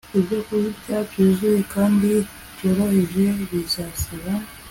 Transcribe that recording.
ibyokurya byuzuye kandi byoroheje Bizasaba